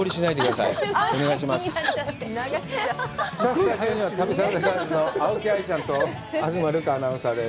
さあ、スタジオには、旅サラダガールズの青木愛ちゃんと東留伽アナウンサーです。